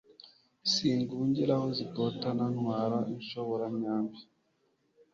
Singungira aho zikotanaNtwara inshoboramyambi.